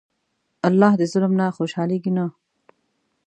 الله د ظلم نه خوشحالېږي نه.